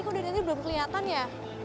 kok udah nanti belum kelihatan ya